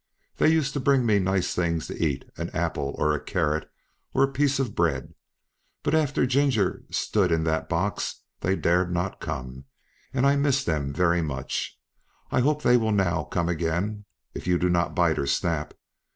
They used to bring me nice things to eat, an apple, or a carrot, or a piece of bread, but after Ginger stood in that box, they dared not come, and I missed them very much. I hope they will now come again, if you do not bite or snap."